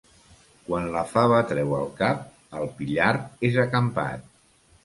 Quan la fava treu el cap, el pillard és acampat.